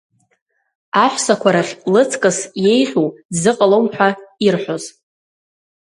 Аҳәсақәа рахь лыҵкыс еиӷьу дзыҟалом ҳәа ирҳәоз.